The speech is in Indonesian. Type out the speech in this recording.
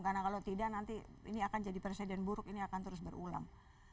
karena kalau tidak nanti ini akan jadi persediaan buruk ini akan terus berulang